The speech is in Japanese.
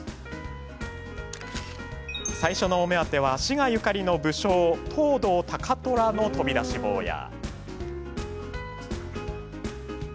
最初のお目当ては滋賀ゆかりの武将藤堂高虎の飛び出し坊や。